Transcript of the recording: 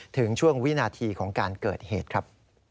ถึงช่วงวินาทีของการเกิดเหตุครับ